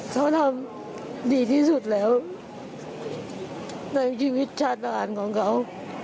เขาทำดีที่สุดแล้วในชีวิตชาติอาหารของเขา